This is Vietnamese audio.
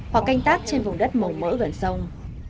hoặc canh tác trên vùng đất màu mỡ gần sông